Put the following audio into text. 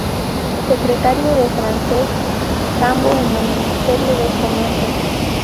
Secretario de Francesc Cambó en el Ministerio de Fomento.